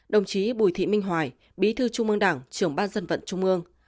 đồng chí bùi thị minh hoài bí thư trung ương đảng trưởng ban dân vận trung ương